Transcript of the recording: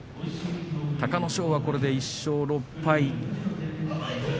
隆の勝はこれで１勝６敗